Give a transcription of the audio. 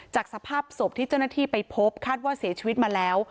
สภาพศพที่เจ้าหน้าที่ไปพบคาดว่าเสียชีวิตมาแล้ว